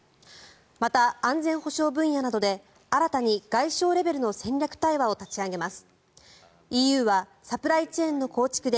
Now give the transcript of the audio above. また安全保障分野などで新たに外相レベルの戦略対話を立ち上げます。